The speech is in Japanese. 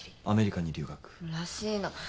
アメリカに留学？らしいの。